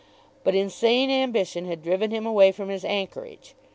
But insane ambition had driven him away from his anchorage.